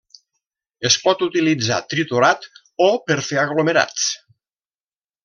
Es pot utilitzar triturat o per fer aglomerats.